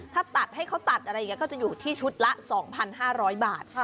ถ้าตัดให้เขาตัดอะไรอย่างนี้ก็จะอยู่ที่ชุดละ๒๕๐๐บาท